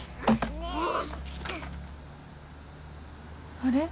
あれ？